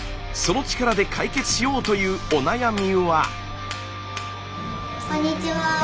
その力で解決しようというお悩みは。